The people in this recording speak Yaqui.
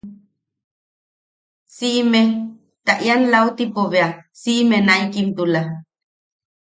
Siʼime... ta ian lautipo bea siʼime naʼikimtula.